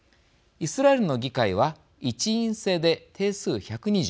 イスラエルの議会は、１院制で定数１２０。